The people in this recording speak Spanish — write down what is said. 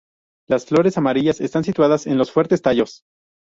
Las flores amarillas están situadas en los fuertes tallos.